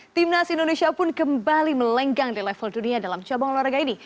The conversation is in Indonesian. timnas indonesia pun kembali melenggang di level dunia dalam cabang olahraga ini